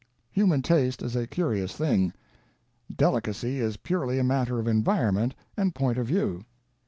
Human taste is a curious thing; delicacy is purely a matter of environment and point of view."